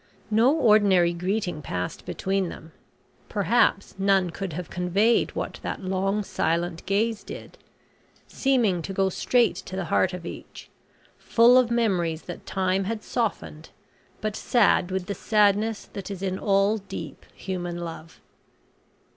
No ordinary greeting passed between them. Perhaps none could have conveyed what that long silent gaze did; seeming to go straight to the heart of each, full of memories that time had softened, but sad with the sadness that is in all deep human love.